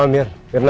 paham mir mirna